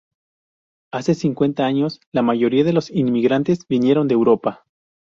Hace cincuenta años, la mayoría de los inmigrantes vinieron de Europa.